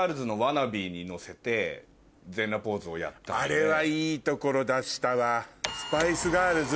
あれはいいところ出したわ。